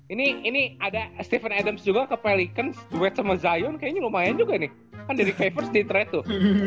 ini ini ada steven adams juga ke pelicans duet sama zion kayaknya lumayan juga nih kan dari favors di tretto